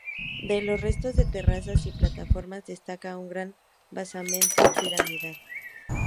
De los restos de terrazas y plataformas, destaca un gran basamento piramidal.